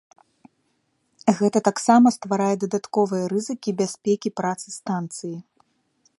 Гэта таксама стварае дадатковыя рызыкі бяспекі працы станцыі.